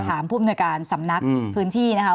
ถามผู้มนุษยการสำนักพื้นที่นะคะ